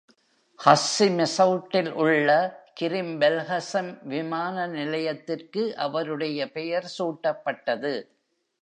Hussey மெசவுட்டில் உள்ள Krim Belkacem விமான நிலையத்திற்கு அவருடைய பெயர் சூட்டப்பட்டது.